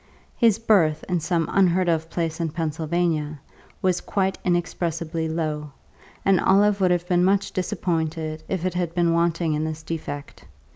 His birth, in some unheard of place in Pennsylvania, was quite inexpressibly low, and Olive would have been much disappointed if it had been wanting in this defect.